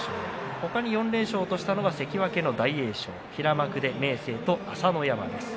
他に４連勝としたのは関脇の大栄翔平幕で明生、朝乃山です。